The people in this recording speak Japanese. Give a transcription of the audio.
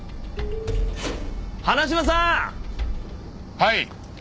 はい。